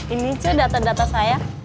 ini sih data data saya